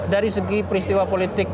dari segi peristiwa politik